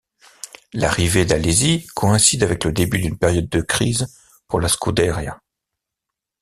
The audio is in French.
L'arrivée d'Alesi coïncide avec le début d'une période de crise pour la Scuderia.